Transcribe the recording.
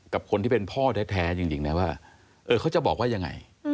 กับคนที่เป็นพ่อแท้จริงนะว่าเขาจะบอกว่ายังไง